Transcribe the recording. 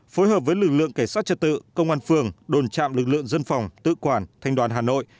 phối hợp với lực lượng cảnh sát trật tự công an phường đồn trạm lực lượng dân phòng tự quản thanh đoàn hà nội